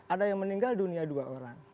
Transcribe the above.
ada yang meninggal dunia dua orang